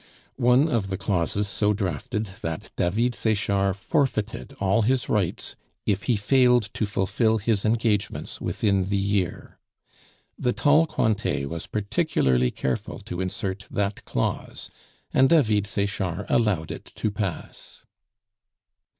One of the clauses so drafted that David Sechard forfeited all his rights if he failed to fulfil his engagements within the year; the tall Cointet was particularly careful to insert that clause, and David Sechard allowed it to pass.